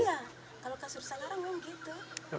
iya kalau sudah sekarang memang begitu